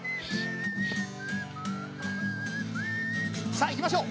さあいきましょう！